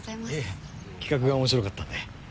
いえ企画が面白かったんで。